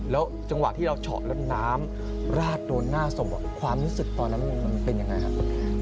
แล้วจังหวะที่เราเฉาะแล้วน้ำราดโดนหน้าศพความรู้สึกตอนนั้นมันเป็นยังไงครับ